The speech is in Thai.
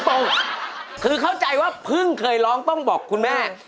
ตรงคือเข้าใจว่าเพิ่งเคยร้องต้องบอกคุณแม่